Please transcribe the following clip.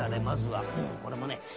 まずはこれもね。